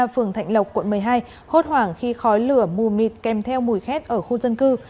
phường thạnh lộc quận một mươi hai hốt hoảng khi khói lửa mù mịt kèm theo mùi khét ở khu dân cư